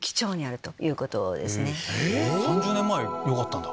３０年前よかったんだ。